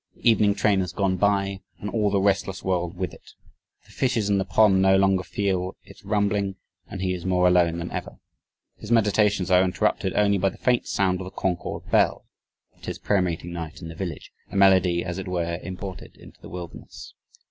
"The evening train has gone by," and "all the restless world with it. The fishes in the pond no longer feel its rumbling and he is more alone than ever..." His meditations are interrupted only by the faint sound of the Concord bell 'tis prayer meeting night in the village "a melody as it were, imported into the wilderness..."